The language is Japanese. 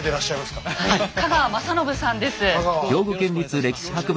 香川雅信さんです。